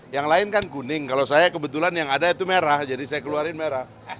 yang lain kan kuning kalau saya kebetulan yang ada itu merah jadi saya keluarin merah